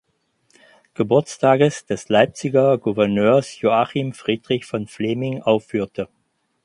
Geburtstages des Leipziger Gouverneurs Joachim Friedrich von Flemming aufführte.